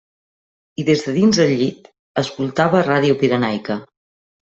I des de dins el llit escoltava Ràdio Pirenaica.